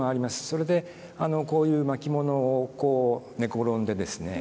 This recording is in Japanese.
それでこういう巻物を寝転んでですね